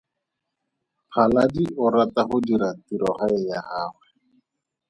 Phaladi o rata go dira tirogae ya gagwe.